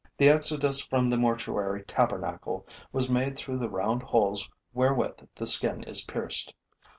The exodus from the mortuary tabernacle was made through the round holes wherewith the skin is pierced.